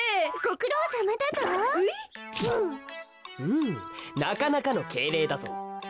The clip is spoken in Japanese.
うんなかなかのけいれいだぞ。